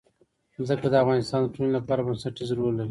ځمکه د افغانستان د ټولنې لپاره بنسټيز رول لري.